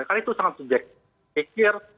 karena itu sangat subjek pikir